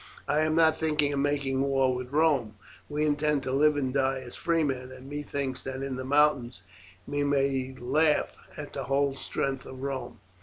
I am not thinking of making war with Rome. We intend to live and die as free men, and methinks that in the mountains we may laugh at the whole strength of Rome."